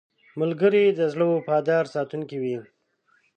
ملګری د زړه وفادار ساتونکی وي